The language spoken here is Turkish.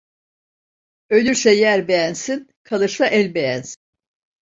Ölürse yer beğensin, kalırsa el beğensin.